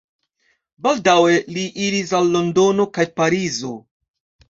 Baldaŭe li iris al Londono kaj Parizo.